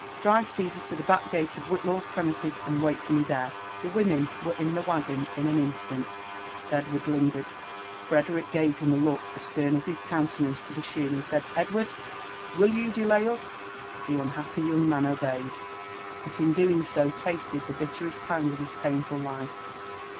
Drive Capsar, to the back gate of Whitlaw *s premise9> ^nd wait tqt me there. '^* The women were in the waggon in an infant, but Edward lingered* Frederick gave him a look as stern as his countenance qould assii^)^, pind said, Edward I will you do,lay us ?" The unhappy young man obeyed ; but in doing so, (asfcd (he bitr terp^t pang of his painful life.